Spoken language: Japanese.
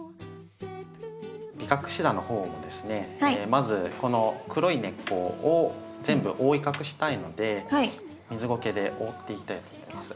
まずこの黒い根っこを全部覆い隠したいので水ごけで覆っていきたいと思います。